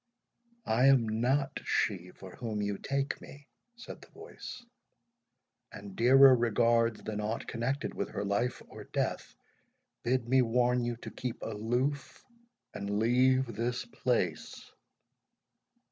"I am not she for whom you take me," said the voice; "and dearer regards than aught connected with her life or death, bid me warn you to keep aloof, and leave this place."